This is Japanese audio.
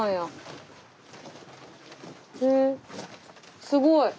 へえすごい。